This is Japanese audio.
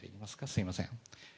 すみません。